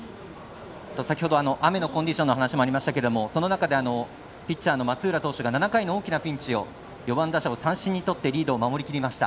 先ほど、雨のコンディションの話がありましたけどその中でピッチャーの松浦投手が７回の大きなピンチを４番打者を三振にとって守りきりました。